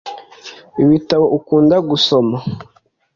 ibitabo ukunda gusoma